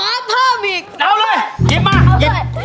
แล้วถ้ามีอีกเอาเลยยิบมายิบมา